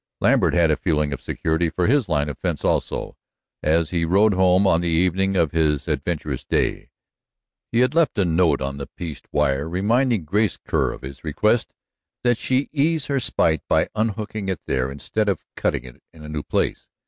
Lambert had a feeling of security for his line of fence, also, as he rode home on the evening of his adventurous day. He had left a note on the pieced wire reminding Grace Kerr of his request that she ease her spite by unhooking it there instead of cutting it in a new place.